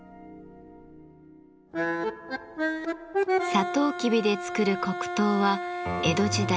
サトウキビで作る黒糖は江戸時代